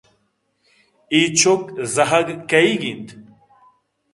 اے چک/ زاھگ کئیگ اِنت